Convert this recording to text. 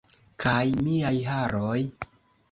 Kaj miaj haroj?